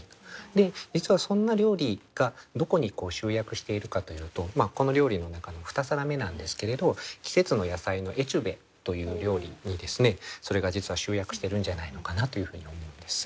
実はそんな料理がどこに集約しているかというとこの料理の中の２皿目なんですけれど「季節の野菜のエチュベ」という料理にそれが実は集約してるんじゃないのかなというふうに思うんです。